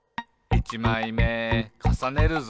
「にまいめかさねるぞ！」